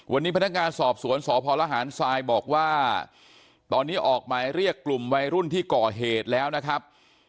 วันนี้พนักงานสอบสวนสพลหารทรายบอกว่าตอนนี้ออกหมายเรียกกลุ่มวัยรุ่นที่ก่อเหตุแล้วนะครับ